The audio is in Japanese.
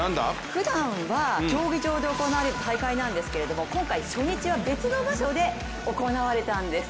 ふだんは、競技場で行われる大会なんですけど今回、初日は別の場所で行われたんです。